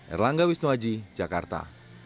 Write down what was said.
erlangga wisnuaji jakarta